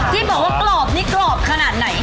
ที่บอกว่ากรอบนี่กรอบขนาดไหน